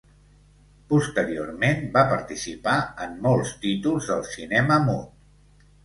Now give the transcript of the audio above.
Posteriorment va participar en molts títols del cinema mut.